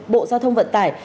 bộ giao thông vận tải